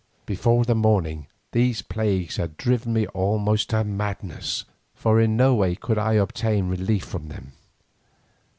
Before the morning these plagues had driven me almost to madness, for in no way could I obtain relief from them.